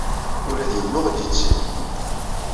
Ula d yiwen ur aɣ-d-yettir.